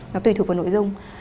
nó tùy thuộc vào nội dung